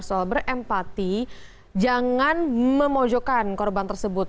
soal berempati jangan memojokkan korban tersebut